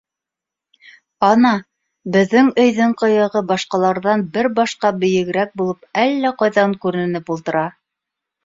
Ана, беҙҙең өйҙөң ҡыйығы башҡаларҙан бер башҡа бейегерәк булып әллә ҡайҙан күренеп ултыра.